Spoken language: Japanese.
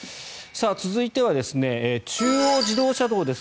続いては、中央自動車道です。